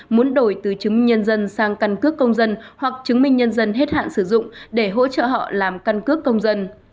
muốn đổi từ chứng minh nhân dân sang căn cước công dân hoặc chứng minh nhân dân hết hạn sử dụng để hỗ trợ họ làm căn cước công dân